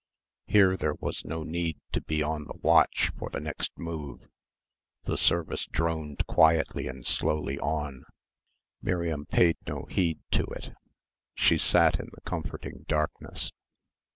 Here, there was no need to be on the watch for the next move. The service droned quietly and slowly on. Miriam paid no heed to it. She sat in the comforting darkness.